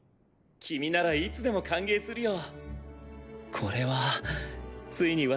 君ならいつでも歓迎するよ。